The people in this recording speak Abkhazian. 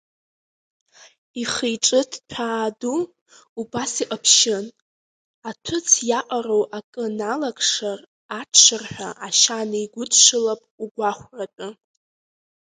Ихы-иҿы ҭҭәаа ду убас иҟаԥшьын, аҭәыц иаҟароу акы налакшар аҽырҳәа ашьа неигәыдшылап угәахәратәы.